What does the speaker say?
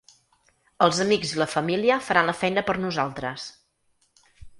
Els amics i la família faran la feina per nosaltres.